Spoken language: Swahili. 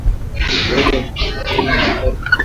Koroga siagi na sukari vizuri